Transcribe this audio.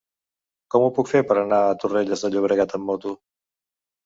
Com ho puc fer per anar a Torrelles de Llobregat amb moto?